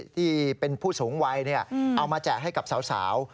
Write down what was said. ที่เป็นผู้สูงวัยเอามาแจกให้กับสาว